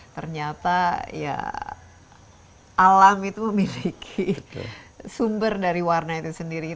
ternyata ya alam itu memiliki sumber dari warna itu sendiri